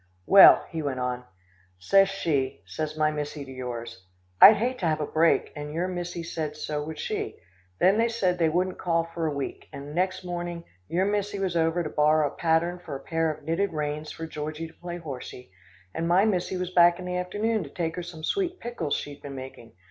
"Well," he went on, "says she, says my missie to yours, 'I'd hate to have a break,' and your missie said so would she, then they said they wouldn't call for a week, and next morning your missie was over to borrow a pattern for a pair of knitted reins for Georgie to play horsie, and my missie was back in the afternoon to take her some sweet pickles she had been making.